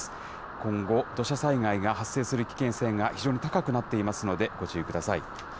今後、土砂災害が発生する危険性が非常に高くなっていますので、ご注意ください。